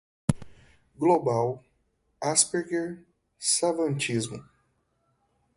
global, asperger, savantismo